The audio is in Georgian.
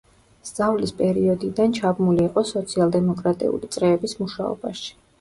სწავლის პერიოდიდან ჩაბმული იყო სოციალ-დემოკრატიული წრეების მუშაობაში.